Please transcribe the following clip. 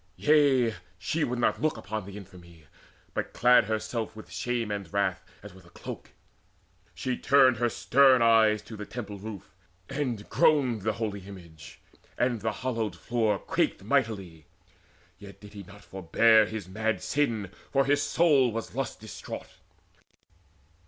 Yea, she would not look Upon the infamy, but clad herself With shame and wrath as with a cloak: she turned Her stern eyes to the temple roof, and groaned The holy image, and the hallowed floor Quaked mightily. Yet did he not forbear His mad sin, for his soul was lust distraught.